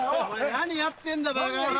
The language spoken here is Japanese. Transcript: ・何やってんだばか野郎！